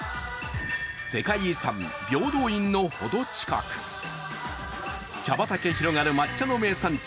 世界遺産・平等院の程近く、茶畑広がる抹茶の名産地